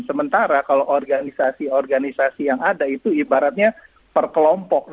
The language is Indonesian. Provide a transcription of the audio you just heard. sementara kalau organisasi organisasi yang ada itu ibaratnya seperti organisasi asean atau united nations